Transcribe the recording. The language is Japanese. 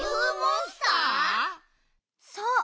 そう！